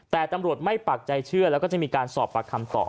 แต่ตำรวจไม่ปักใจเชื่อแล้วก็จะมีการสอบปากคำต่อ